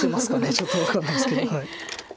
ちょっと分かんないんですけど。